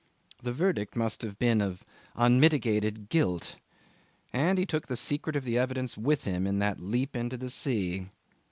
The verdict must have been of unmitigated guilt, and he took the secret of the evidence with him in that leap into the sea.